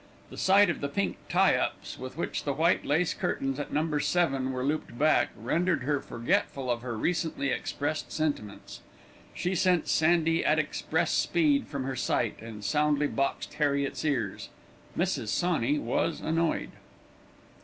The sight of the pink tie ups with which the white lace curtains at No. 7 were looped back, rendered her forgetful of her recently expressed sentiments. She sent Sandy at express speed from her sight, and soundly boxed Harriet's ears. Mrs. Sawney was annoyed.